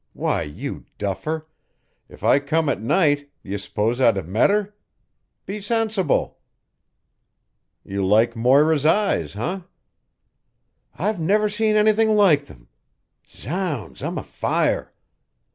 Why, you duffer, if I come at night, d'ye suppose I'd have met her? Be sensible." "You like Moira's eyes, eh?" "I've never seen anything like them. Zounds, I'm afire.